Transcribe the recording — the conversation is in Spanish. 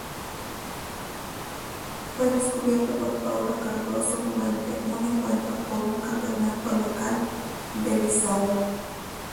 Fue descubierto por Paulo Cardoso durante un encuentro por un campeonato local de Bisáu.